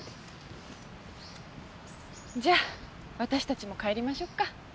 じゃあ私たちも帰りましょうか。